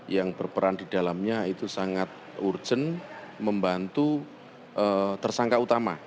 yang berperan di dalamnya itu sangat urgent membantu tersangka utama